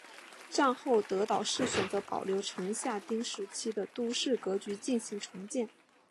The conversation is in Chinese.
战后德岛市选择保留城下町时期的都市格局进行重建。